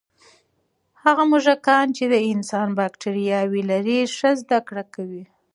هغه موږکان چې د انسان بکتریاوې لري، ښه زده کړه کوي.